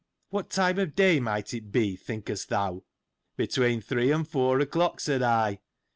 595 What time of the day might it be, thinkest thou? Between three and Jour o'clock, said I.